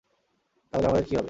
তাহলে আমাদের কি হবে?